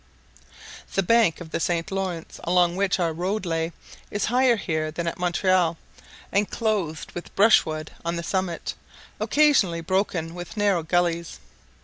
The bank of the St. Laurence, along which our road lay, is higher here than at Montreal, and clothed with brushwood on the summit, occasionally broken with narrow gulleys.